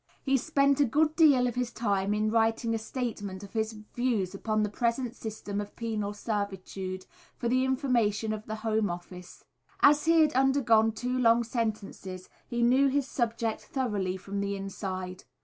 He spent a good deal of his time in writing a statement of his views upon the present system of penal servitude, for the information of the Home Office. As he had undergone two long sentences he knew his subject thoroughly from the inside.